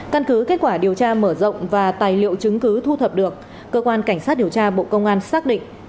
căn cứ kết quả điều tra mở rộng và tài liệu chứng cứ thu thập được cơ quan cảnh sát điều tra bộ công an xác định